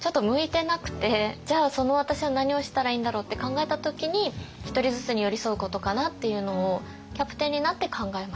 じゃあその私は何をしたらいいんだろうって考えた時にひとりずつに寄り添うことかなっていうのをキャプテンになって考えました。